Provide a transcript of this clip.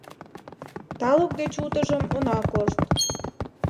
Талук деч утыжым она кошт.